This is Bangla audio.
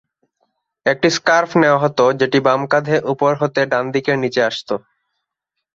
একটি স্কার্ফ নেয়া হতো যেটি বাম কাঁধে উপর হতে ডান দিকের নিচে আসতো।